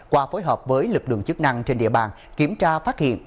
qua phối hợp với lực lượng chức năng trên địa bàn kiểm tra phát hiện